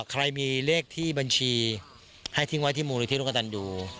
ใครมีเลขที่บัญชีให้ทิ้งไว้ที่มูลนิธิร่วมกับตันยู